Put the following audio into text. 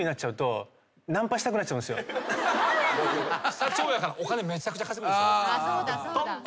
社長やからお金めちゃくちゃ稼ぐでしょ。